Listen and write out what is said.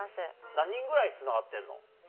何人ぐらいつながってんの？